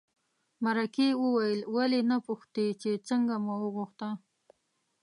مرکې وویل ولې نه پوښتې چې څنګه مو وغوښته.